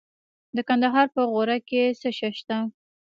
د کندهار په غورک کې څه شی شته؟